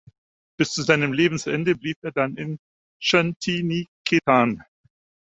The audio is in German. Bis zu seinem Lebensende blieb er dann in Shantiniketan.